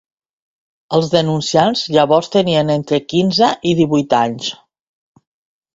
Els denunciants llavors tenien entre quinze i divuit anys.